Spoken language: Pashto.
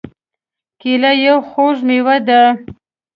کېله یو خوږ مېوه ده.